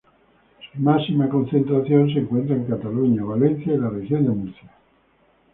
Su máxima concentración se encuentra en Cataluña, Valencia y la Región de Murcia.